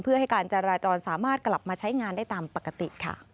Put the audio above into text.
เพื่อให้การจราจรสามารถกลับมาใช้งานได้ตามปกติค่ะ